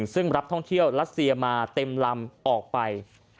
ซึ่งรับท่องเที่ยวรัสเซียมาเต็มลำออกไป